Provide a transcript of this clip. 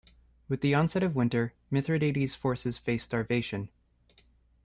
With the onset of winter, Mithridates's forces faced starvation.